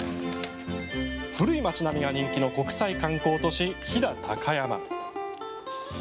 古い町並みが人気の国際観光都市・飛騨高山。